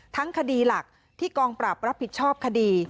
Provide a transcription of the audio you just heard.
คดีหลักที่กองปราบรับผิดชอบคดี